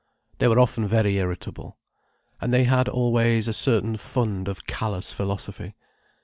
They were often very irritable. And they had always a certain fund of callous philosophy.